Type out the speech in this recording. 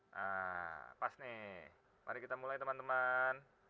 nah pas nih mari kita mulai teman teman